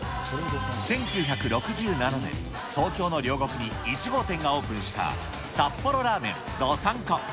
１９６７年、東京の両国に１号店がオープンした、札幌ラーメンどさん子。